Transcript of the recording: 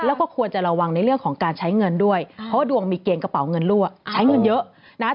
แล้วก็ควรจะระวังในเรื่องของการใช้เงินด้วยเพราะว่าดวงมีเกณฑ์กระเป๋าเงินรั่วใช้เงินเยอะนะฮะ